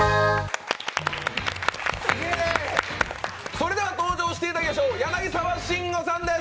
それでは、登場していただきましょう、柳沢慎吾さんです！